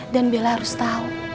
dan bella harus tau